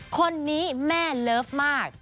คนนี้แม่เลิฟมาก